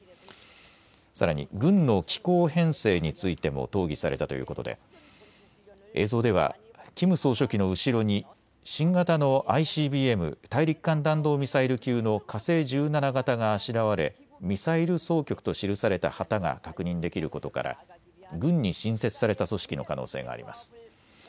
さらに軍の機構編成についても討議されたということで映像ではキム総書記の後ろに新型のＩＣＢＭ・大陸間弾道ミサイル級の火星１７型があしらわれミサイル総局と記された旗が確認できることから軍に新設された組織の可能性があります。